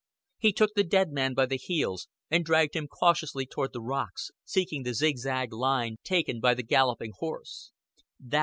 He took the dead man by the heels, and dragged him cautiously toward the rocks seeking the zigzag line taken by the galloping horse.